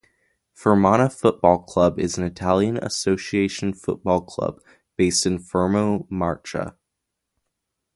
Fermana Football Club is an Italian association football club based in Fermo, Marche.